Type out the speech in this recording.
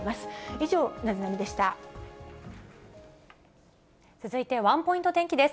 以上、続いて、ワンポイント天気です。